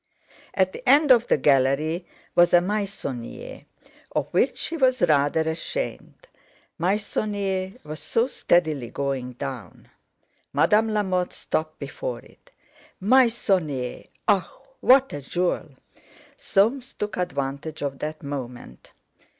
At the end of the gallery was a Meissonier of which he was rather ashamed—Meissonier was so steadily going down. Madame Lamotte stopped before it. "Meissonier! Ah! What a jewel!" Soames took advantage of that moment.